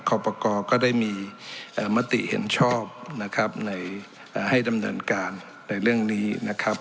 ประกอบก็ได้มีมติเห็นชอบนะครับในให้ดำเนินการในเรื่องนี้นะครับ